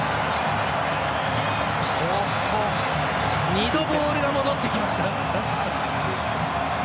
２度、ボールが戻ってきました。